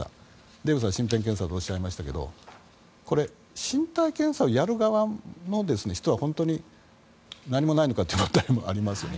デーブさんが身体検査とおっしゃいましたけどこれ、身体検査をやる側の人が本当に何もないのかという問題もありますよね。